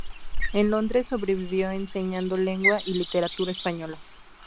En Londres sobrevivió enseñando lengua y literatura española.